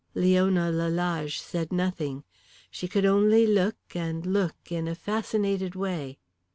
Leona Lalage said nothing. She could only look and look in a fascinated way.